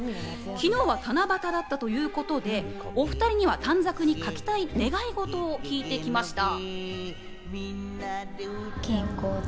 昨日は七夕だったということで、お２人には短冊に書きたい願いごとを聞いてきました。